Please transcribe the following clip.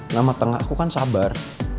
nama tengahku kan sabar